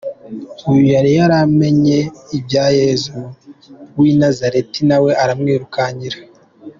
Uyu yari yaramenye ibya Yesu w’i Nazareti nawe aramwirukankira.